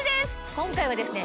今回はですね